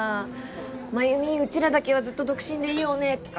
繭美うちらだけはずっと独身でいようねとか。